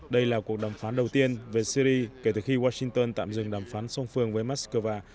đây là cuộc đàm phán đầu tiên về syria kể từ khi washington tạm dừng đàm phán song phương với moscow